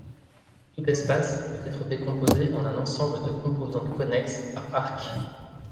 Tout espace peut être décomposé en un ensemble de composantes connexes par arcs.